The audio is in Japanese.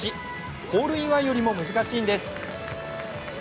ホールインワンよりも難しいんです。